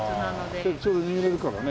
ちょうど握れるからね。